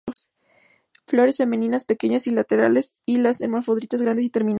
Flores femeninas pequeñas y laterales; las hermafroditas grandes y terminales.